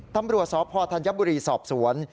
ตำรวจสพธัญบุรีสอบสวน